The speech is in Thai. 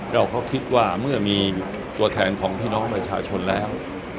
เราก็คิดว่าเมื่อมีตัวแทนของพี่น้องประชาชนแล้ว